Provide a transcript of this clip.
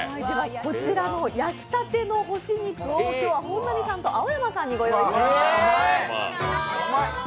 こちらの焼きたての干し肉を今日は本並さんと青山さんにご用意しました。